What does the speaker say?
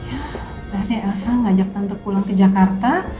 akhirnya elsa ngajak tante pulang ke jakarta